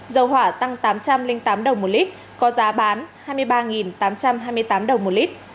dầu hỏa tăng tám trăm linh tám đồng một lít có giá bán hai mươi ba tám trăm hai mươi tám đồng một lít